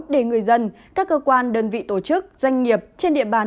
để người dân các cơ quan đơn vị tổ chức doanh nghiệp trên địa bàn